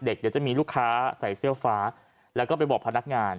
เดี๋ยวจะมีลูกค้าใส่เสื้อฟ้าแล้วก็ไปบอกพนักงาน